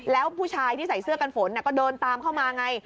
แล้วผู้ชายที่ใส่เสื้อกันฝนก็เดินตามเข้ามาไง